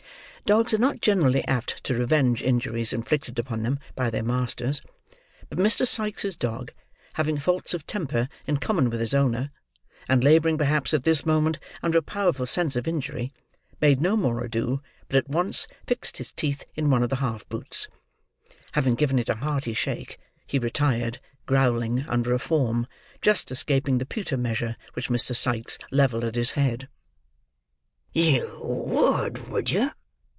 Dogs are not generally apt to revenge injuries inflicted upon them by their masters; but Mr. Sikes's dog, having faults of temper in common with his owner, and labouring, perhaps, at this moment, under a powerful sense of injury, made no more ado but at once fixed his teeth in one of the half boots. Having given in a hearty shake, he retired, growling, under a form; just escaping the pewter measure which Mr. Sikes levelled at his head. "You would, would you?"